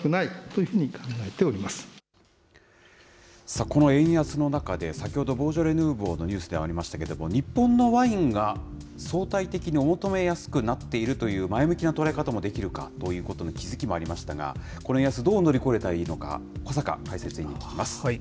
さあ、この円安の中で、先ほど、ボージョレ・ヌーボーのニュースもありましたけれども、日本のワインが相対的にお求め安くなっているという前向きな捉え方もできるかということの気付きもありましたが、この円安、どう乗り越えたらいいのか、小坂解説委員に聞きます。